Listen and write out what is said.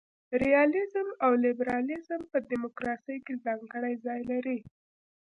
ریالیزم او لیبرالیزم په دموکراسي کي ځانګړی ځای لري.